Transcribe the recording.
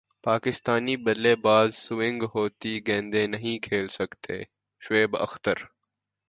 پاکستانی بلے باز سوئنگ ہوتی گیندیں نہیں کھیل سکتے شعیب اختر